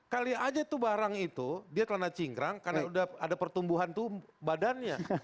kali aja itu barang itu dia celana cingkrang karena udah ada pertumbuhan badannya